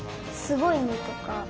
「すごいね」とか。